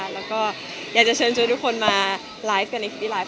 แล้วก็อยากจะเชิญชวนทุกคนมาไลฟ์กันในคลิปที่ไลฟ์